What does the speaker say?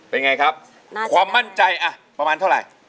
เป็นไงครับความมั่นใจอ่ะประมาณเท่าไหร่